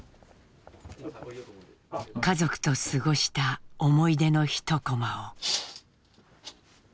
家族と過ごした思い出のひとコマを。